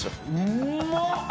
うまっ！